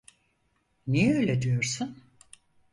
Niye öyle diyorsun?